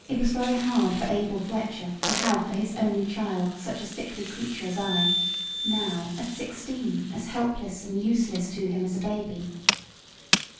It was very hard for Abel Fletcher to have for his only child such a sickly creature as I, now, at sixteen, as helpless and useless to him as a baby.